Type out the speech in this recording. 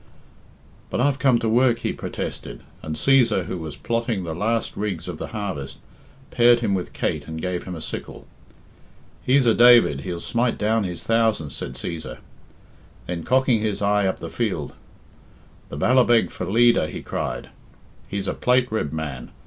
"But I've come to work," he protested, and Cæsar who, was plotting the last rigs of the harvest, paired him with Kate and gave him a sickle. "He's a David, he'll smite down his thousands/," said Cæsar. Then cocking his eye up the field, "the Ballabeg for leader," he cried, "he's a plate ribbed man.